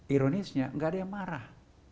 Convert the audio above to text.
ironisnya nggak ada yang marah